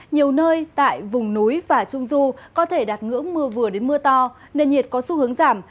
nhiều nơi tại vùng núi và trung du có thể đạt ngưỡng mưa vừa đến mưa to nền nhiệt có xu hướng giảm